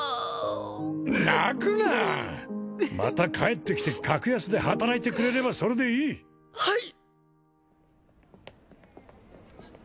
泣くなまた帰ってきて格安で働いてくれればそれでいいはい！